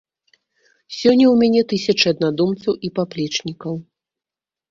Сёння ў мяне тысячы аднадумцаў і паплечнікаў.